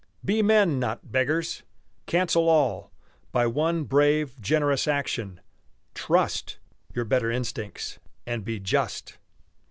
Be men, not beggars. Cancel all By one brave, generous action: trust Your better instincts, and be just!